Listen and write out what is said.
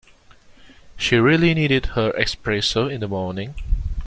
She really needed her espresso in the morning.